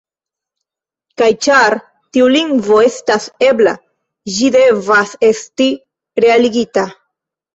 Kaj ĉar tiu lingvo estas ebla, ĝi devas esti realigita.